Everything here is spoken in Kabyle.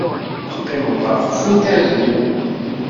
Teqqimeḍ ɣef ufutay-iw.